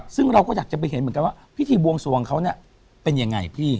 ซึ่งเราก็อยากจะไปเห็นเหมือนกันว่าพิธีบวงสวงเขาเนี่ยเป็นยังไงพี่